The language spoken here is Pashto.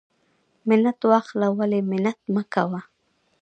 منت واخله ولی منت مکوه.